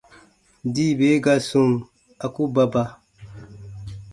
Dii be ga sum, a ku baba.